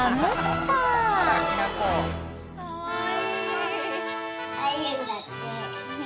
かわいい！